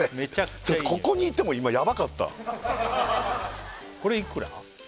ここにいても今ヤバかったこれいくら？